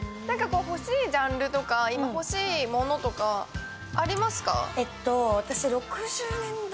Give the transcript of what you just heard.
欲しいジャンルとか、今欲しいものとかありますか？